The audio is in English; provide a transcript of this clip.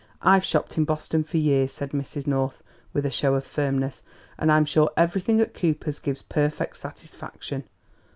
"I've shopped in Boston for years," said Mrs. North, with a show of firmness, "and I'm sure everything at Cooper's gives perfect satisfaction."